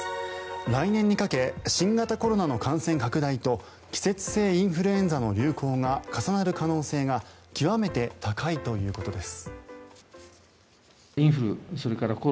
来年にかけ新型コロナの感染拡大と季節性インフルエンザの流行が重なる可能性が極めて高いということです。